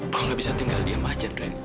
kok gak bisa tinggal diam aja nek